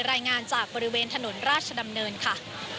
รายงานจากบริเวณถนนราชดำเนินค่ะ